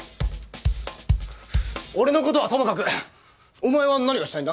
俺の事はともかくお前は何がしたいんだ？